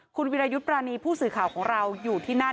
คุณวิรายุทธ์ปรานีผู้สื่อข่าวของเราอยู่ที่นั่น